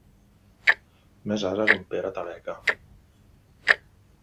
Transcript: Més ase que en Pere Taleca.